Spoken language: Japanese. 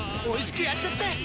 おいしくやっちゃって！